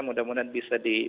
mudah mudahan bisa dianggarkan